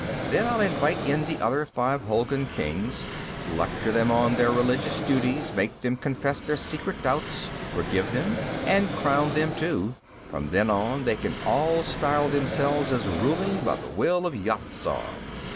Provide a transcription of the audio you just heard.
Then I'll invite in the other five Hulgun kings, lecture them on their religious duties, make them confess their secret doubts, forgive them, and crown them, too. From then on, they can all style themselves as ruling by the will of Yat Zar."